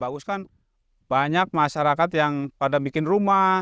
bagus kan banyak masyarakat yang pada bikin rumah